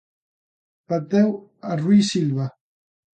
Bateu a Rui Silva.